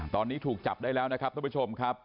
ตอนนี้ถูกจับได้แล้วนะครับท่านผู้ชมครับ